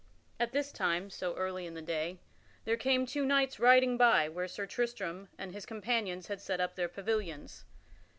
At this time, so early in the day, there came two knights riding by where Sir Tristram and his companions had set up their pavilions.